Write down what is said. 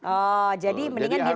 oh jadi mendingan di dulu